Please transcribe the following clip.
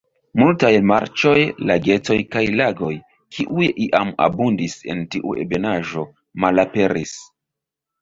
Multaj marĉoj, lagetoj kaj lagoj, kiuj iam abundis en tiu ebenaĵo, malaperis.